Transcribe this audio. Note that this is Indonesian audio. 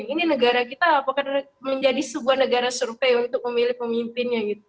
ini negara kita apakah menjadi sebuah negara survei untuk memilih pemimpinnya gitu